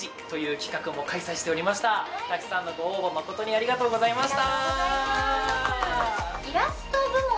たくさんのご応募誠にありがとうございました。